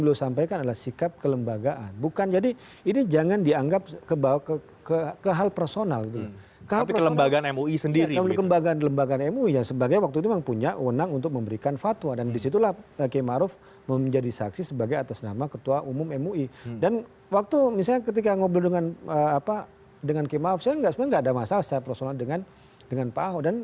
langkah langkah politik dari btp